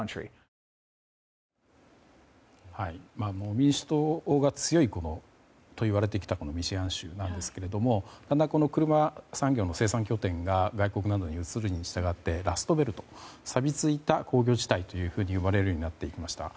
民主党が強いといわれてきたミシガン州ですけどだんだん車産業の生産拠点が外国などに移るにしたがってラストベルトさび付いた工業地帯と呼ばれるようになっていました。